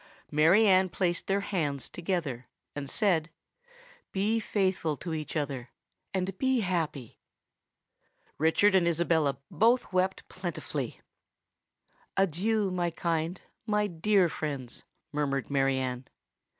Mary Anne placed their hands together, and said, "Be faithful to each other—and be happy." Richard and Isabella both wept plentifully. "Adieu, my kind—my dear friends," murmured Mary Anne.